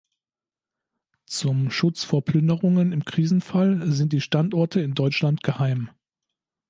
Zum Schutz vor Plünderungen im Krisenfall sind die Standorte in Deutschland geheim.